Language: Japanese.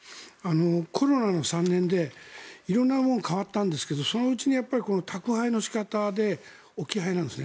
コロナの３年で色んなものが変わったんですがそのうちに、この宅配の仕方で置き配なんですね。